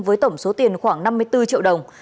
với tổng số tiền khoảng năm mươi bốn triệu đồng